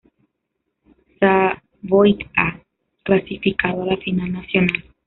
Savoia clasificado a la Final Nacional.